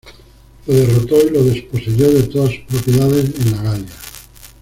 Lo derrotó y lo desposeyó de todas sus propiedades en la Galia.